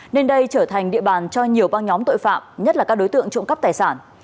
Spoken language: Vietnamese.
nên đây trở thành địa bàn cho nhiều băng nhóm tội phạm nhất là các đối tượng trộm cắp tài sản